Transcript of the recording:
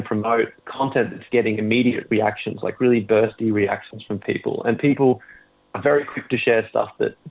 dan orang orang sangat cepat untuk berbagi hal hal yang membuat mereka merasa terlalu kuat